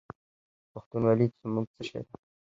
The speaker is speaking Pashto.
پښتونولي زموږ څه شی دی؟